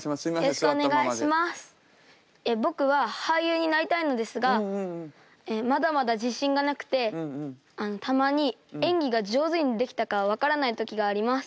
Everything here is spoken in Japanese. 僕は俳優になりたいのですがまだまだ自信がなくてたまに演技が上手にできたか分からない時があります。